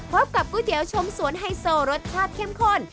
พบกับก๋วยเตี๋ยวชมสวนไฮโซรสชาติเข้มข้น